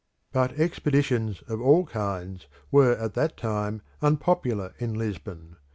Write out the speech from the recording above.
But expeditions of all kinds were at that time unpopular in Lisbon.